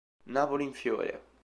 Napoli in fiore!